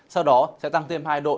sau đó sẽ tăng thêm hai độ